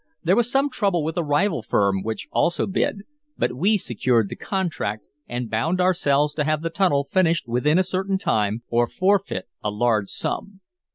There was some trouble with a rival firm, which also bid, but we secured the contract, and bound ourselves to have the tunnel finished within a certain time, or forfeit a large sum.